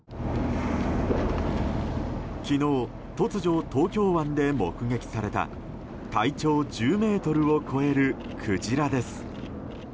昨日、突如東京湾で目撃された体長１０ｍを超えるクジラです。